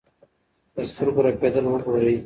د سترګو رپېدل وګورئ.